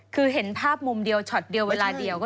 คือเห็นภาพมุมเดียวช็อตเดียวเวลาเดียว